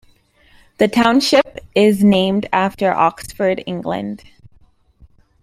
The township is named after Oxford, England.